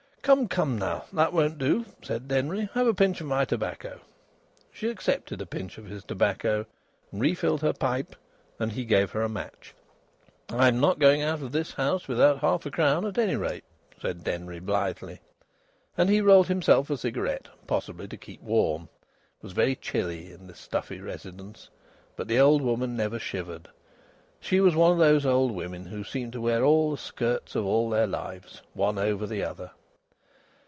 "Come, come, now! That won't do," said Denry. "Have a pinch of my tobacco." She accepted a pinch of his tobacco, and refilled her pipe, and he gave her a match. "I'm not going out of this house without half a crown at any rate!" said Denry, blithely. And he rolled himself a cigarette, possibly to keep warm. It was very chilly in the stuffy residence, but the old woman never shivered. She was one of those old women who seem to wear all the skirts of all their lives, one over the other.